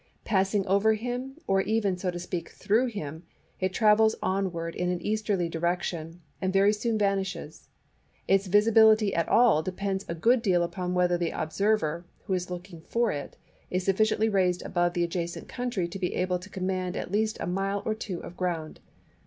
Passing over him, or even, so to speak, through him, it travels onwards in an easterly direction and very soon vanishes. Its visibility at all depends a good deal upon whether the observer, who is looking for it, is sufficiently raised above the adjacent country to be able to command at least a mile or two of ground.